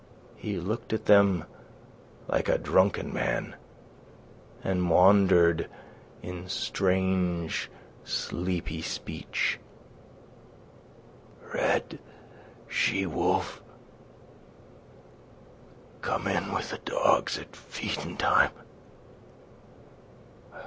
He looked at them like a drunken man and maundered in strange, sleepy speech. "Red she wolf. ... Come in with the dogs at feedin' time.